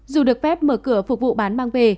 dù được phép mở cửa phục vụ bán mang về